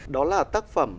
đó là tác phẩm